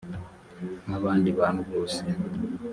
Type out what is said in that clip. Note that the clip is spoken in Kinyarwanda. nk abandi bantu bose